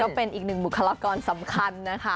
ก็เป็นอีกหนึ่งบุคลากรสำคัญนะคะ